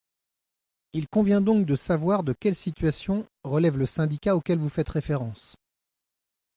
Il convient donc de savoir de quelle situation relève le syndicat auquel vous faites référence.